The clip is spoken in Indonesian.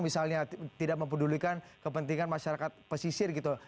misalnya tidak mempedulikan kepentingan masyarakat pesisir gitu